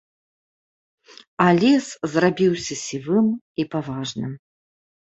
А лес зрабіўся сівым і паважным.